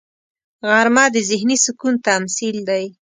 غرمه د ذهني سکون تمثیل دی